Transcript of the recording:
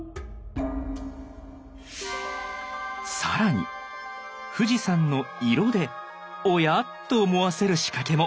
更に富士山の「色」で「おや？」と思わせる仕掛けも。